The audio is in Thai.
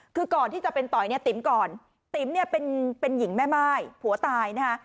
คือก่อนที่จะเป็นต่อยเนี่ยติ๋มก่อนติ๋มเนี่ยเป็นหญิงแม่ม่ายผัวตายนะฮะ